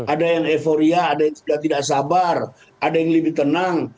ada yang euforia ada yang sudah tidak sabar ada yang lebih tenang